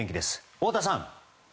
太田さん。